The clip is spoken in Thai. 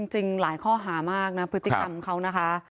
จริงหลายข้อหามากนะพฤติกรรมเขานะคะ